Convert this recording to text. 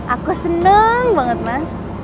aku seneng banget mas